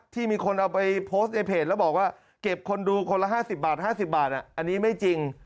ที่มีคนเอาไปโพสต์ในเพจแล้วบอกว่าเก็บคนดูคนละ๕๐บาท๕๐บาทอันนี้ไม่จริง